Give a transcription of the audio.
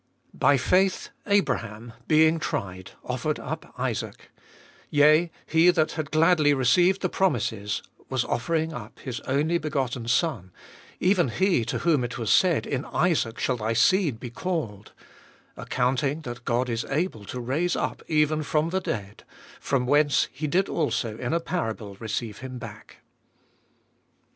By faith Abraham, being tried, offered up Isaac : yea, he that had gladly received the promises was offering up his only begotten son; 18. Even he to whom it was said, In Isaac shall thy seed be called: 19. Accounting that God is able to raise up, even from the dead ; from whence he did also in a parable receive him back.